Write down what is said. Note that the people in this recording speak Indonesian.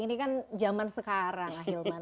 ini kan zaman sekarang ahilman